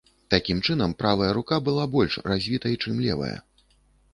Такім чынам, правая рука была больш развітай, чым левая.